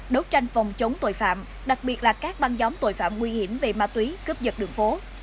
đấu tranh phòng chống tội phạm đặc biệt là các băng gióng tội phạm nguy hiểm về ma túy cướp giật đường phố